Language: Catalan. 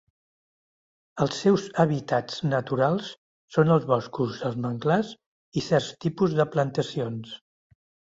Els seus hàbitats naturals són els boscos, els manglars i certs tipus de plantacions.